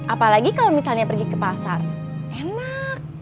apalagi kalau misalnya pergi ke pasar enak